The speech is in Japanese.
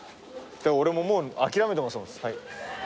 俺ももう諦めてますもん。